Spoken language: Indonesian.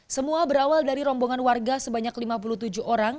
semua berawal dari rombongan warga sebanyak lima puluh tujuh orang